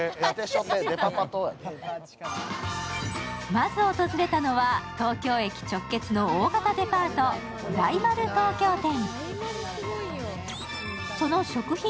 まず訪れたのは東京駅直結の大型デパート・大丸東京店。